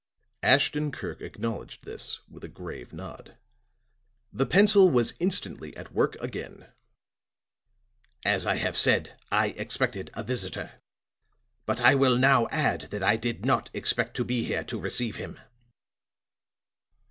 Ashton Kirk acknowledged this with a grave nod. The pencil was instantly at work again. "As I have said, I expected a visitor; but I will now add that I did not expect to be here to receive him."